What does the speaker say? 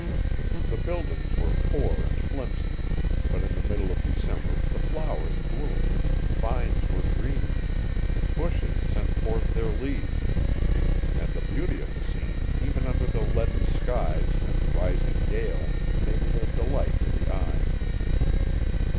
The buildings were poor and flimsy, but in the middle of December the flowers bloomed, vines were green, bushes sent forth their leaves, and the beauty of the scene even under the leaden skies and rising gale made it a delight to the eye.